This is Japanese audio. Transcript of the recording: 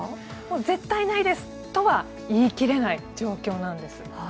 絶対ないですとは言い切れない状況なんです。